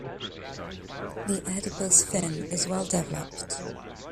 The adipose fin is well developed.